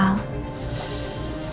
bapak sudah tahu